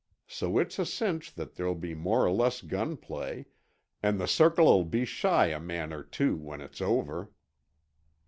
So it's a cinch that there'll be more or less gun play, and the Circle'll be shy a man or two when it's over."